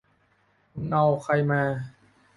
มึงเอาใครมา